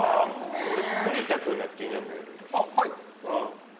栗田君のやつ気になるんだけど。